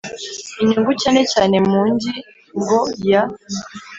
inyungu cyane cyane mu ngi ngo ya